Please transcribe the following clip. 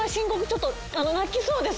ちょっと泣きそうです。